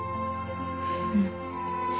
うん。